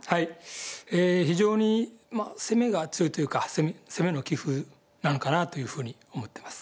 非常に攻めが強いというか攻めの棋風なのかなというふうに思っています